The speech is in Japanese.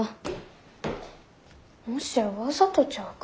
もしやわざとちゃうか？